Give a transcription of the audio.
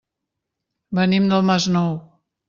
Venim del Masnou.